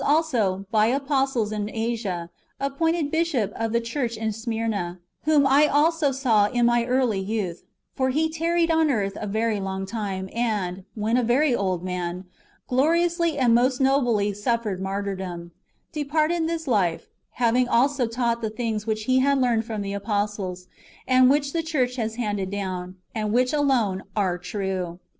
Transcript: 263 also, by apostles in Asia, appointed bishop of tlie cburch in Smyrna, whom I also saw in my early youth, for he tarried [on earth] a very long time, and, when a very old man, gloriously and most nobly suffering martyrdom,^ departed this life, having always taught the things which he had learned from the apostles, and which the church has handed down, and which alone are true.